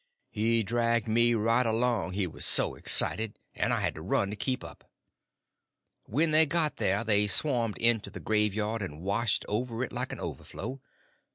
He dragged me right along, he was so excited, and I had to run to keep up. When they got there they swarmed into the graveyard and washed over it like an overflow.